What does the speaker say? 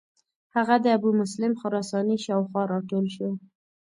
هغه د ابومسلم خراساني شاو خوا را ټول شو.